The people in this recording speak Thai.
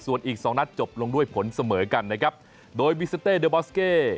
ส่วนอีกสองนัดจบลงด้วยผลเสมอกันนะครับโดยบิสเต้เดอร์บอสเก้